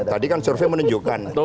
tadi kan survei menunjukkan